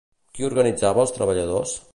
Qui organitzava als treballadors?